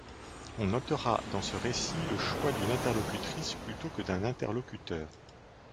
On notera dans ce récit le choix d’une interlocutrice, plutôt que d’un interlocuteur.